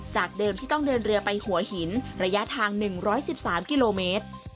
จากเดิมที่ต้องเดินเรือไปหัวหินระยะทาง๑๑๓กิโลเมตร